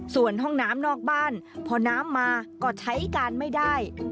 ส่วนห้องน้ำนอกบ้านพอน้ำมาก็ใช้การไม่ได้